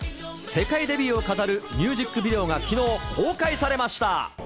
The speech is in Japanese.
世界デビューを飾るミュージックビデオがきのう、公開されました。